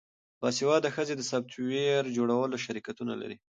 باسواده ښځې د سافټویر جوړولو شرکتونه لري.